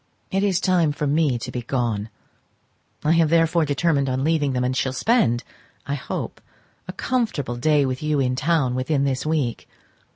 It is time for me to be gone; I have therefore determined on leaving them, and shall spend, I hope, a comfortable day with you in town within this week.